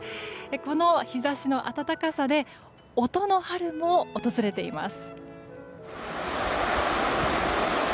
この日差しの暖かさで音の春も訪れています。